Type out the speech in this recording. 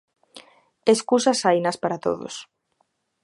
Escusas hainas para todos.